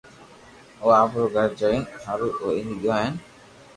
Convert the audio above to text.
او آپرو گھر جوئين ھآرين ھوئي گيو ھين